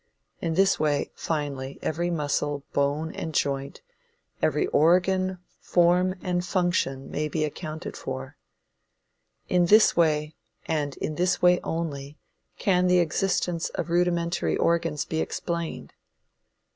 In this way finally every muscle, bone and joint, every organ, form and function may be accounted for. In this way, and in this way only, can the existence of rudimentary organs be explained.